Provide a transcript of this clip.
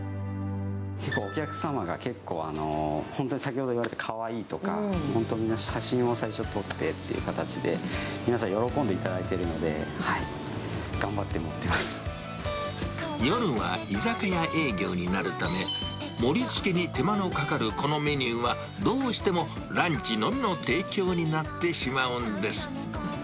お客様が結構、本当に先ほど言われたかわいいとか、本当、みんな写真を最初、撮ってっていう形で、皆さん喜んでいただいて夜は居酒屋営業になるため、盛りつけに手間のかかるこのメニューは、どうしてもランチのみの提供になってしまうんです。